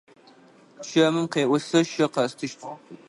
Чэмым къеӏо: Сэ щэ къэстыщт.